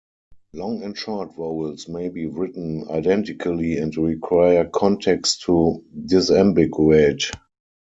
Long and short vowels may be written identically and require context to disambiguate.